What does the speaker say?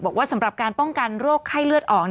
สำหรับการป้องกันโรคไข้เลือดออก